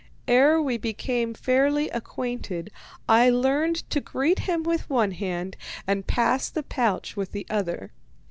Ere we became fairly acquainted, I learned to greet him with one hand, and pass the pouch with the other.